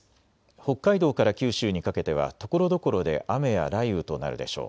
北海道から九州にかけてはところどころで雨や雷雨となるでしょう。